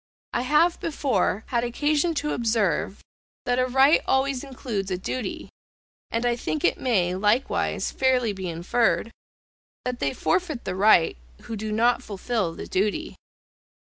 I have before had occasion to observe, that a right always includes a duty, and I think it may, likewise fairly be inferred, that they forfeit the right, who do not fulfil the duty.